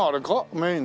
メインだ。